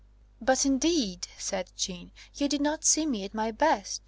"But, indeed," said Jeanne, "you did not see me at my best.